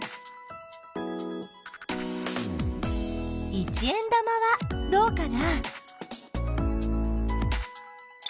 一円玉はどうかな？